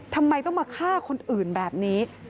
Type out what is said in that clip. ทำไมต้องมาฆ่าคนอื่นแบบนี้